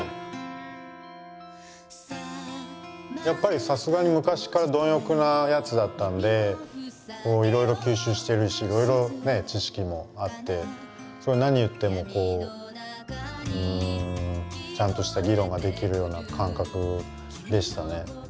やっぱりさすがに昔から貪欲なやつだったんでいろいろ吸収してるしいろいろ知識もあって何言ってもこうちゃんとした議論ができるような感覚でしたね。